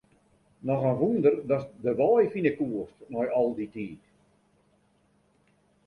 Noch in wûnder datst de wei fine koest nei al dy tiid.